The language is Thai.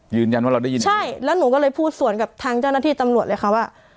ยืนยันว่าเราได้ยินใช่แล้วหนูก็เลยพูดสวนกับทางเจ้าหน้าที่ตำรวจเลยค่ะว่า